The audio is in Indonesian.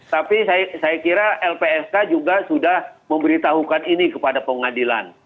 tapi saya kira lpsk juga sudah memberitahukan ini kepada pengadilan